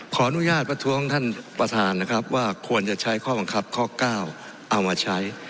ขออนุญาตประท้วงท่านประธานนะครับว่าควรจะใช้ข้อบังคับข้อ๙เอามาใช้